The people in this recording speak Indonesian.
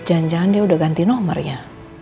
jangan jangan dia udah ganti nomornya